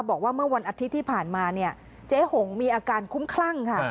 บอกว่าเมื่อวันอาทิตย์ที่ผ่านมาเนี่ยเจ๊หงมีอาการคุ้มคลั่งค่ะ